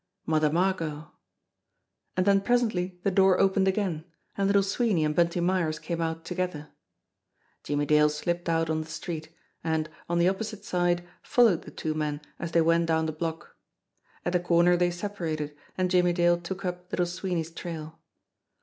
Mother Margot! And then presently the door opened again, and Little Swee ney and Bunty Myers came out together. Jimmie Dale slipped out on the street, and, on the oppo site side, followed the two men as they went down the block. At the corner they separated, and Jimmie Dale took up Little Sweeney's trail.